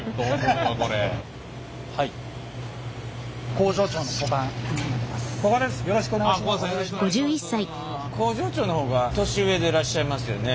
工場長の方が年上でいらっしゃいますよね？